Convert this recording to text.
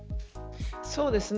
そうですね。